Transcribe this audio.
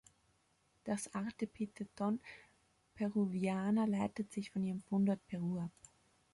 Das Artepitheton "peruviana" leitet sich von ihrem Fundort Peru ab.